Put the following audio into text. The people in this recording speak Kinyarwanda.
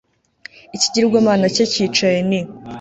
Ikigirwamana cye cyicaye ni